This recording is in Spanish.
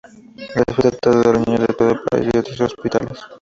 El hospital trata a los niños de todo el país y de otros hospitales.